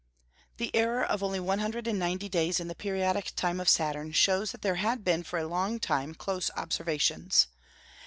The error of only one hundred and ninety days in the periodic time of Saturn shows that there had been for a long time close observations.